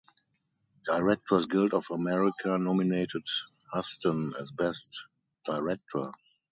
Directors Guild of America nominated Huston as best director.